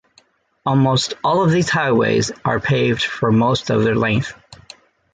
Almost all of these highways are paved for most of their length.